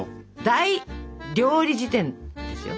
「大料理事典」ですよ。